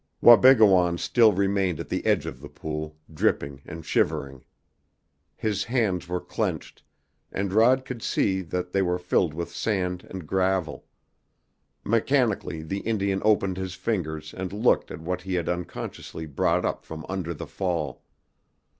Wabigoon still remained at the edge of the pool, dripping and shivering. His hands were clenched, and Rod could see that they were filled with sand and gravel. Mechanically the Indian opened his fingers and looked at what he had unconsciously brought up from under the fall.